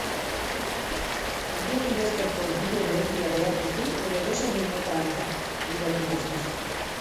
Kantuak idazteko giro berezia behar duzu edo edozein unetan bururatzen zaizkizu?